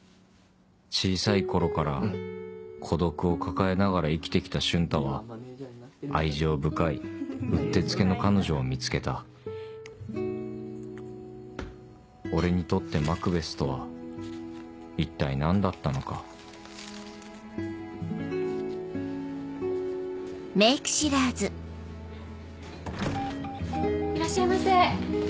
小さい頃から孤独を抱えながら生きて来た瞬太は愛情深いうってつけの彼女を見つけた俺にとってマクベスとは一体何だったのかいらっしゃいませ。